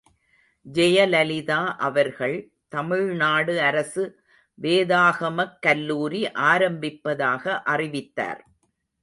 ஜெயலலிதா அவர்கள் தமிழ்நாடு அரசு வேதாகமக் கல்லூரி ஆரம்பிப்பதாக அறிவித்தார்.